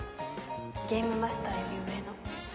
ゲームマスターより上の。